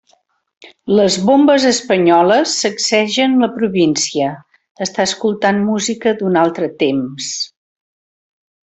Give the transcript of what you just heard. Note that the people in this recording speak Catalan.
Les bombes espanyoles sacsegen la província, està escoltant música d'un altre temps.